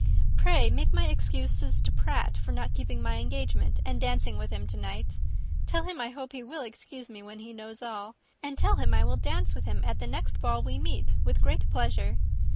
Pray make my excuses to Pratt for not keeping my engagement, and dancing with him to night. Tell him I hope he will excuse me when he knows all, and tell him I will dance with him at the next ball we meet with great pleasure.